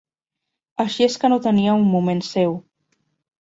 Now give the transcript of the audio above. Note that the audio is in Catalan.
Així és que no tenia un moment seu